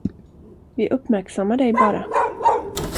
Vi uppmärksammar dig bara.